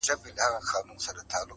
پدرلعنته حادثه ده او څه ستا ياد دی.